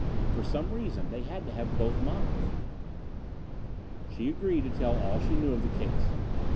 For some reason they had to have both models." She agreed to tell all she knew of the case.